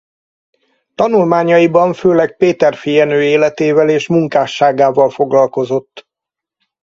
Tanulmányaiban főleg Péterfy Jenő életével és munkásságával foglalkozott.